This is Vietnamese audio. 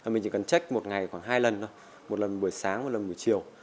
mình chỉ cần check một ngày khoảng hai lần thôi một lần buổi sáng một lần buổi chiều